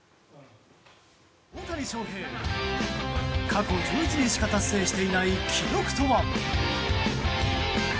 過去１０人しか達成していない記録とは？